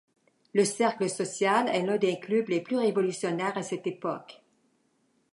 Le Cercle social est l'un des clubs les plus révolutionnaires à cette époque.